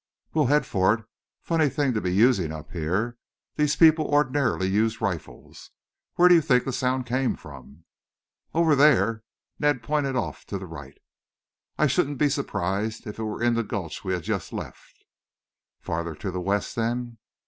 "We will head for it. Funny thing to be using up here. These people ordinarily use rifles. Where did you think the sound came from?" "Over there." Ned pointed off to the right. "I shouldn't be surprised if it were in the gulch we have just left." "Farther to the west then."